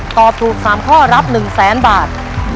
ตอบถูกสามข้อรับหนึ่งแสนบาท